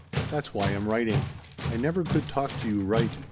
That's why I'm writing. "I never could talk to you right.